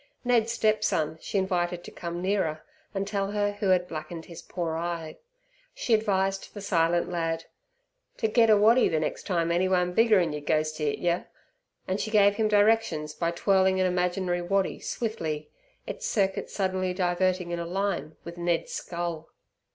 Ned's stepson she invited to come nearer, and tell her who had blackened his poor eye. She advised the silent lad "ter get a waddy ther nex' time anyone bigger'n yer goes ter 'it yer". And she gave him directions by twirling an imaginary waddy swiftly, its circuit suddenly diverting in a line with Ned's skull.